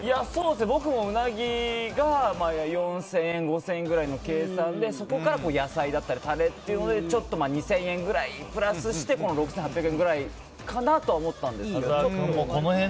僕もうなぎが４０００円、５０００円ぐらいの計算でそこから野菜だったりタレというので２０００円くらいプラスしてこの６８００円ぐらいかなと思ったんですが。